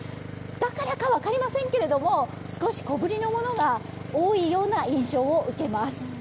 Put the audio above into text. だからか分かりませんが少し小ぶりのものが多いような印象を受けます。